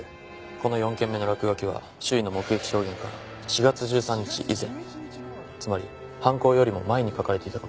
この４件目の落書きは周囲の目撃証言から４月１３日以前つまり犯行よりも前に描かれていた事がわかりました。